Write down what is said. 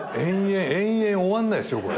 延々終わんないっすよこれ。